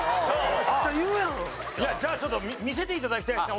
あっじゃあちょっと見せて頂きたいですね